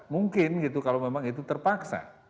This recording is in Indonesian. mungkin gitu kalau memang itu terpaksa